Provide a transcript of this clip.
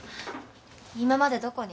今までどこに？